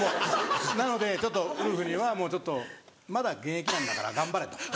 なのでちょっとウルフには「まだ現役なんだから頑張れ」と。